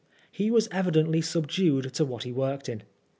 He was evidently subdued to what he worked in.